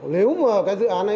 nếu mà cái dự án này